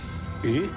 えっ？